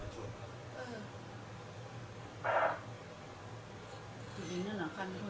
คนสองคนลงอยู่